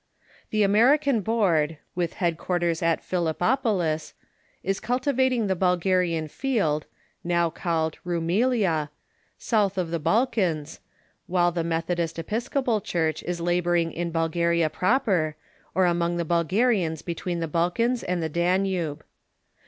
The American Board, with headquarters at Philip popolis, is cultivating the Bulgarian field (now called Roume lia) south of the Balkans, while the Methodist Episcopal Church is laboring in Bulgaria proper, or among the Bulgarians be tween the Balkans and the Danube.